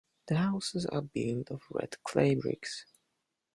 The houses are built of red clay bricks.